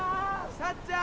さっちゃん！